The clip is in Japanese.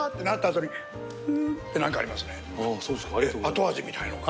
後味みたいなのが。